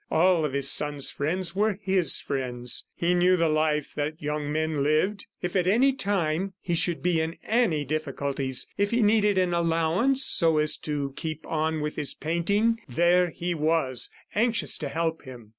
All of his son's friends were his friends. He knew the life that young men lived. ... If at any time, he should be in any difficulties, if he needed an allowance so as to keep on with his painting there he was, anxious to help him!